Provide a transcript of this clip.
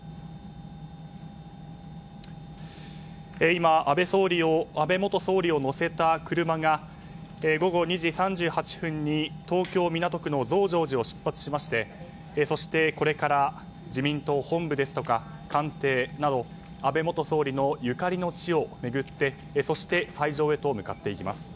今、安倍元総理を乗せた車が午後２時３８分に東京・港区の増上寺を出発しましてそして、これから自民党の本部ですとか官邸など安倍元総理のゆかりの地を巡ってそして斎場へと向かっていきます。